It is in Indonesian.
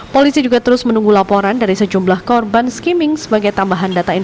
polisi juga terus menunggu laporan dari sejumlah korban